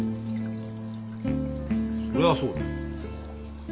そりゃあそうだよ。